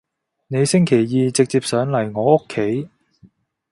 你星期二直接上嚟我屋企